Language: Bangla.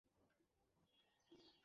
জোরে শব্দ সহ্য করতে পারে না।